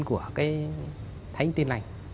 của cái thánh tin này